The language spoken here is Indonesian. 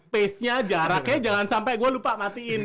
pace nya jaraknya jangan sampai gue lupa matiin